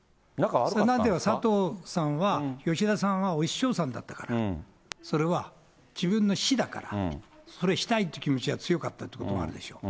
それまでは佐藤さんは、吉田さんはお師匠さんだったから、それは、自分の師だから、それしたいって気持ちが強かったということもあるでしょう。